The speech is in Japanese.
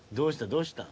どうしたん？